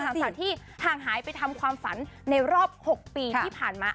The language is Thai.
หลังจากที่ห่างหายไปทำความฝันในรอบ๖ปีที่ผ่านมา